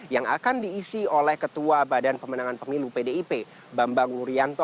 yang akan diisi oleh ketua badan pemenangan pemilu pdip bambang wuryanto